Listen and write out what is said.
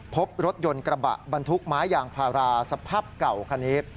พบรถยนต์กระบะบรรทุกไม้ยางพาราสภาพเก่าคันนี้